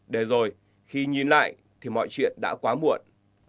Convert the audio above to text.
để rồi khi nhìn lại thì mọi chuyện đã quá muộn